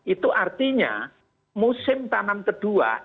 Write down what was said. itu artinya musim tanam kedua